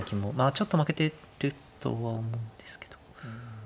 ちょっと負けてるとは思うんですけど。